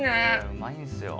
うまいんですよ。